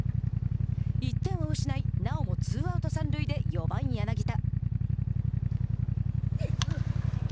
１点を失いなおもツーアウト、三塁で４番柳田。